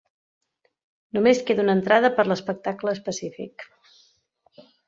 Només queda una entrada per a l'espectacle específic.